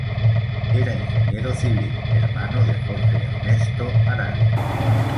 Era Ingeniero civil, hermano de Jorge Ernesto Araya.